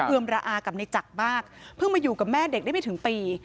เอือมระอากับในจักรมากเพิ่งมาอยู่กับแม่เด็กได้ไม่ถึงปี